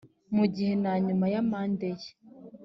mu gihe na nyuma ya manda ye